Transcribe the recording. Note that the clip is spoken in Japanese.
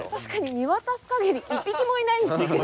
見渡す限り１匹もいないんですけど。